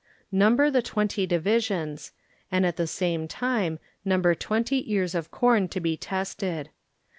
Number the twenty divisions, and at the same time number twenty ears of corn to be tested.